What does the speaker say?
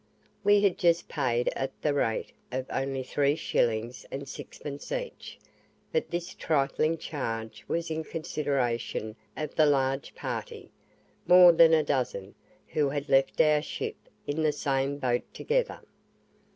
We had just paid at the rate of only three shillings and sixpence each, but this trifling charge was in consideration of the large party more than a dozen who had left our ship in the same boat together.